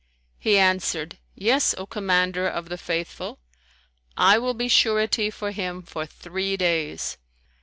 He answered, "Yes, O Commander of the Faithful, I will be surety for him for three days."